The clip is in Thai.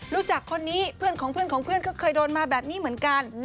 รู้จักคนนี้เพื่อนของเพื่อนของเพื่อนก็เคยโดนมาแบบนี้เหมือนกัน